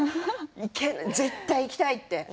絶対、行きたいって。